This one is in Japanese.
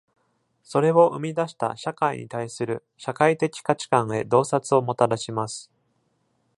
それを生み出した社会に対する社会的価値観へ洞察をもたらします。